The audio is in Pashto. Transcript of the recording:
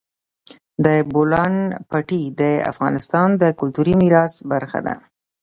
د بولان پټي د افغانستان د کلتوري میراث برخه ده.